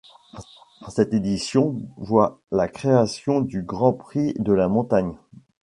Cette édition voit la création du Grand Prix de la montagne.